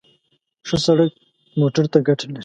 ښه سړک موټر ته ګټه لري.